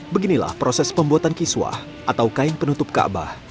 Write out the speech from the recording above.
beginilah proses pembuatan kiswah atau kain penutup kaabah